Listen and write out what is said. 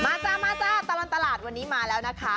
จ้ามาจ้าตลอดตลาดวันนี้มาแล้วนะคะ